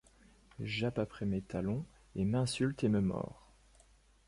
Jappe après mes talons, et m'insulte, et me mord